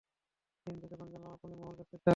কিন্তু যখন জানলাম, আপনি মহল বেচতে চান।